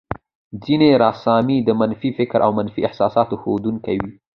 ځينې رسامۍ د منفي فکر او منفي احساساتو ښودونکې وې.